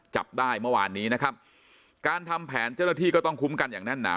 จับได้เมื่อวานนี้นะครับการทำแผนเจ้าหน้าที่ก็ต้องคุ้มกันอย่างแน่นหนา